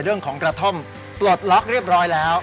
เรื่องของกระท่อมปลดล็อกเรียบร้อยแล้ว